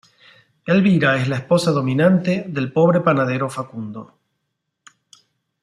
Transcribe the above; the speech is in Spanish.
Elvira es la esposa dominante del pobre panadero Facundo.